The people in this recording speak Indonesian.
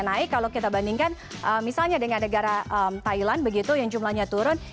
naik kalau kita bandingkan misalnya dengan negara thailand begitu yang jumlahnya turun